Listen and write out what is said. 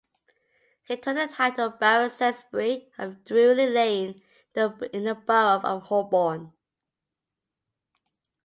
He took the title Baron Sainsbury, of Drury Lane in the Borough of Holborn.